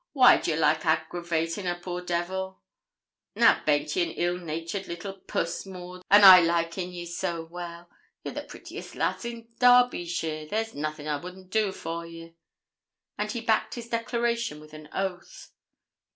Why d'ye like aggravatin' a poor devil? Now baint ye an ill natured little puss, Maud, an' I likin' ye so well? You're the prettiest lass in Derbyshire; there's nothin' I wouldn't do for ye.' And he backed his declaration with an oath.